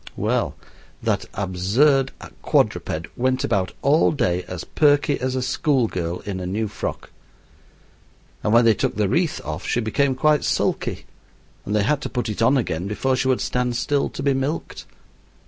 Well, that absurd quadruped went about all day as perky as a schoolgirl in a new frock; and when they took the wreath off she became quite sulky, and they had to put it on again before she would stand still to be milked.